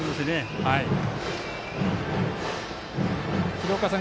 廣岡さん